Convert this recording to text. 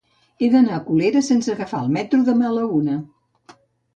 He d'anar a Colera sense agafar el metro demà a la una.